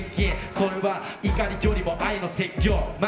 それは怒りよりも愛の説教。